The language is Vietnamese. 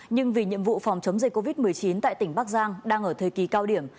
nhưng vì nhiệm vụ phòng chống dịch covid một mươi chín tại tỉnh bắc giang đang ở thời kỳ cao điểm